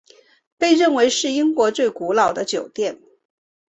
被认为是英国最古老的酒店。